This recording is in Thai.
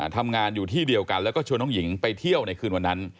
ทำงานอยู่ที่เดียวกันแล้วก็ชวนน้องหญิงไปเที่ยวในคืนวันนั้น